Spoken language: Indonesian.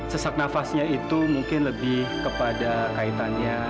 sesak nafasnya itu mungkin lebih kepada kaitannya